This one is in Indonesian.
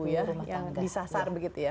yang disasar begitu ya